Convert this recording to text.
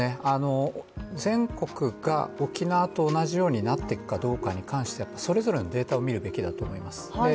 全国が沖縄と同じようになっていくかどうかに関してはそれぞれのデータを見るべきだと思います。